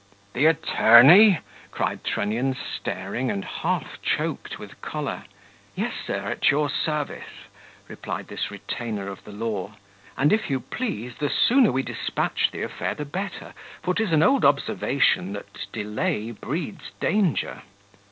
"The attorney?" cried Trunnion, staring, and half choked with choler. "Yes, sir, at your service," replied this retainer of the law; "and, if you please, the sooner we despatch the affair the better; for 'tis an old observation, that delay breeds danger."